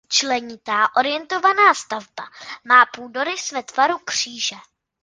Členitá orientovaná stavba má půdorys ve tvaru kříže.